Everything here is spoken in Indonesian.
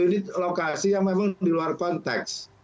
ini lokasi yang memang di luar konteks